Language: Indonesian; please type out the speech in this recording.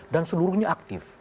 dan seluruhnya aktif